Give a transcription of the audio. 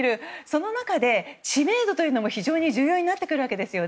その中で、知名度というのも非常に重要になってきます。